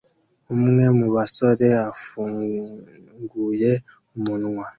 umwe mu basore afunguye umunwa